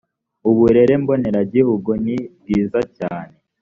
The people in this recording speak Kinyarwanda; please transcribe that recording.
uburere mbonera gihugu ni bwiza cyane.